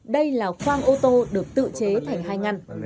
đây là khoang ô tô được tự chế thành hai ngăn